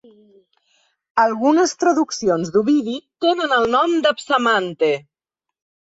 Algunes traduccions d'Ovidi tenen el nom de Psamanthe.